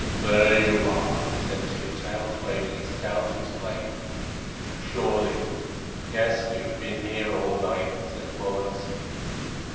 "There you are!" said Two Tails, waving his tail to explain. "Surely. Yes, we have been here all night," said the bullocks.